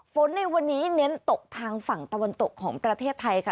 ในวันนี้เน้นตกทางฝั่งตะวันตกของประเทศไทยค่ะ